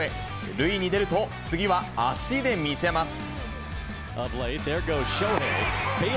塁に出ると、次は足で見せます。